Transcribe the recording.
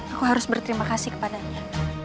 aku harus berterima kasih kepadanya